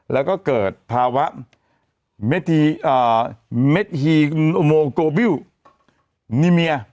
แล้วก็เกิดภาวะเมธีอ่าเมธฮีโมโกวิวนิเมีย